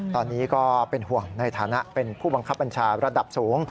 ตอนนี้ก็เป็นห่วงในฐานะเป็นผู้บังคับบัญชาระดับสูง